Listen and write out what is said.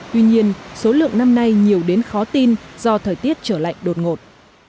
tuy nhiên số lượng năm nay nhiều đến khó tin do thời tiết trở lạnh đột ngột